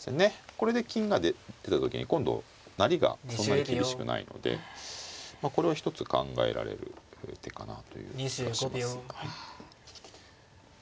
これで金が出た時に今度成りがそんなに厳しくないのでこれは一つ考えられる手かなという気がします。